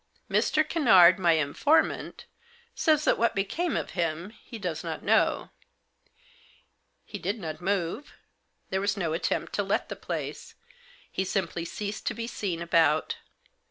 Mr. Kennard, my informant, says that what became of him he does not know. He did not move ; there was no attempt to let the place ; he simply ceased to be seen about.